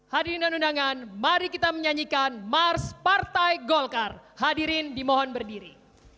hadirin dan undangan mari kita menyanyikan mars partai golkar hadirin dimohon berdiri